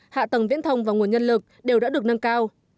hạ tầng viễn thông và nguồn nhân lực đều đã được nâng cao